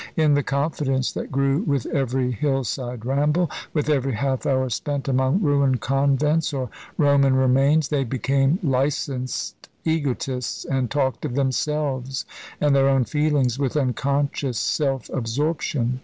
In the confidence that grew with every hill side ramble, with every half hour spent among ruined convents or Roman remains, they became licensed egotists, and talked of themselves and their own feelings with unconscious self absorption.